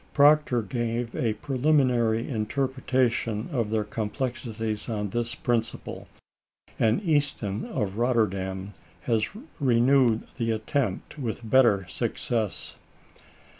Proctor gave a preliminarily interpretation of their complexities on this principle, and Easton of Rotterdam has renewed the attempt with better success.